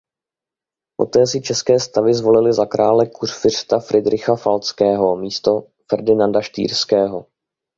Poté si České stavy zvolily za krále kurfiřta Fridricha Falckého místo Ferdinanda Štýrského.